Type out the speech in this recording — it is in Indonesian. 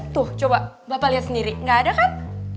tuh coba bapak lihat sendiri nggak ada kan